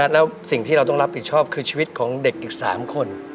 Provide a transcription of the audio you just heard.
แล้วสิ่งที่เราต้องรับผิดชอบคือชีวิตของเด็กอีก๓คน